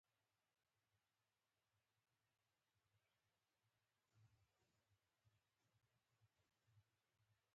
د عراق کردانو د نورو خیال نه ساته.